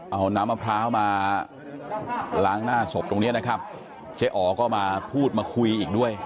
เอาน้ำมะพร้าวมาล้างหน้าศพตรงนี้นะครับเจ๊อ๋อก็มาพูดมาคุยอีกด้วย